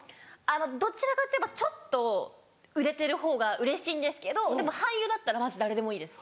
どちらかといえばちょっと売れてるほうがうれしいんですけどでも俳優だったらマジ誰でもいいです。